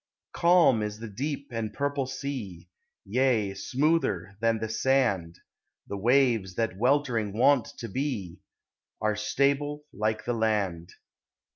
Calm is the deep and purple sea, Yea, smoother than the sand; The waves, that weltering wont to be, Are stable like the land.